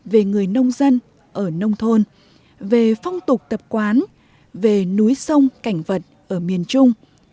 về người nông dân ở nông thôn về phong tục tập quán về núi sông cảnh vật ở miền trung